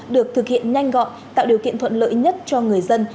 được thực hiện nhanh gọn tạo điều kiện thuận lợi nhất cho người dân